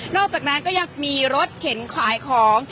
อกจากนั้นก็ยังมีรถเข็นขายของ